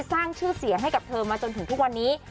สร้างชื่อเสียงให้กับเธอมาจนถึงทุกวันนี้